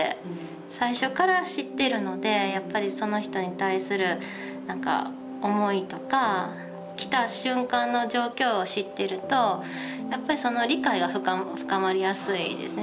最初から知ってるのでやっぱりその人に対する思いとか来た瞬間の状況を知っているとやっぱり理解が深まりやすいですよね。